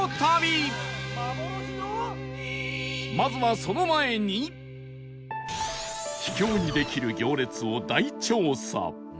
まずは秘境にできる行列を大調査